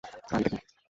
আর এটা কে?